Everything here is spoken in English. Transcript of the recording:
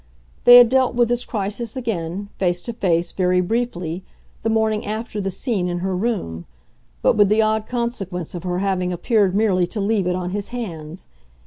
They had dealt with this crisis again, face to face, very briefly, the morning after the scene in her room but with the odd consequence of her having appeared merely to leave it on his hands.